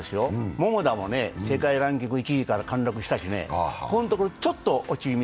桃田も世界ランキング１位から陥落したしね、ここのところ、ちょっと落ち気味。